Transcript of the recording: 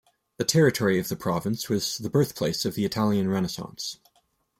The territory of the province was the birthplace of the Italian Renaissance.